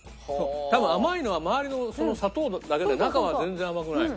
多分甘いのは周りの砂糖だけで中は全然甘くない。